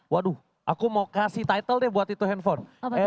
waduh aku mau kasih title deh buat itu handphone